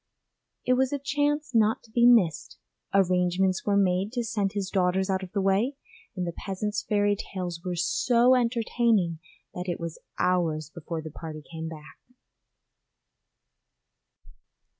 It was a chance not to be missed; arrangements were made to send his daughters out of the way, and the peasant's fairy tales were so entertaining that it was hours before the party came back.